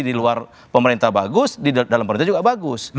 di luar pemerintah bagus di dalam pemerintah juga bagus